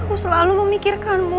aku selalu memikirkanmu